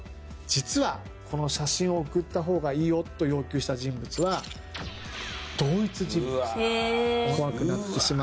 実は「写真を送った方がいいよ」と要求した人物は。え！？